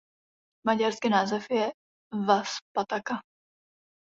Maďarsky název je Vaspataka.